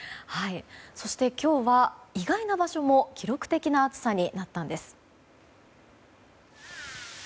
そして今日は意外な場所も記録的な暑さになったんです。